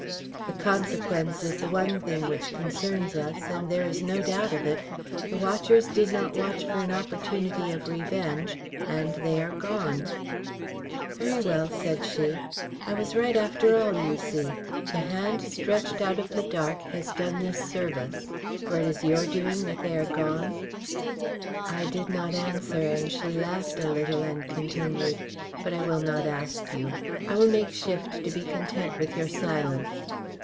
The consequence is the one thing which concerns us, and there is no doubt of it. The watchers did not watch for an opportunity of revenge and they are gone." "Very well," she said. "I was right after all, you see. The hand stretched out of the dark has done this service. For it is your doing that they are gone?" I did not answer and she laughed a little and continued, "But I will not ask you. I will make shift to be content with your silence.